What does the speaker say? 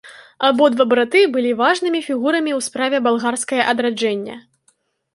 Абодва браты былі важнымі фігурамі ў справе балгарскае адраджэння.